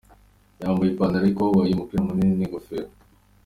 Yambaye ipantalo y’ikoboyi umupira munini n’ingofero.